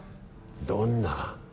どんな？